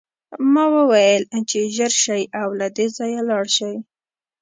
ما وویل چې ژر شئ او له دې ځایه لاړ شئ